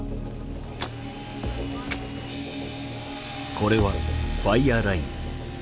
これはファイアーライン。